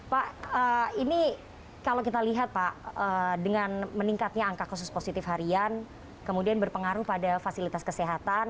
pak ini kalau kita lihat pak dengan meningkatnya angka kasus positif harian kemudian berpengaruh pada fasilitas kesehatan